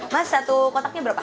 mas satu kotaknya berapa